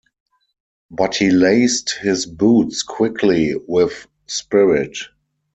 But he laced his boots quickly, with spirit.